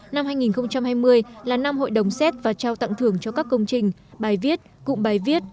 năm hai nghìn hai mươi là năm hội đồng xét và trao tặng thưởng cho các công trình bài viết cụm bài viết